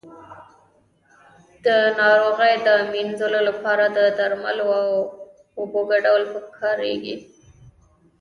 د ناروغۍ د مینځلو لپاره د درملو او اوبو ګډول وکاروئ